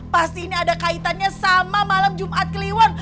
pasti ini ada kaitannya sama malam jumat kliwon